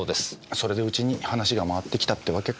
それでうちに話が回ってきたってわけか。